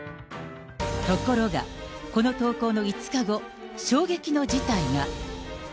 ところが、この投稿の５日後、衝撃の事態が。